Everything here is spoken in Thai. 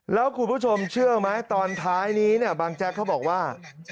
แล้วคุณผู้ชมเชื่อไหมตอนท้ายนี้เนี่ยบางแจ๊กเขาบอกว่า